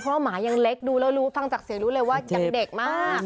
เพราะหมายังเล็กดูแล้วรู้ฟังจากเสียงรู้เลยว่ายังเด็กมาก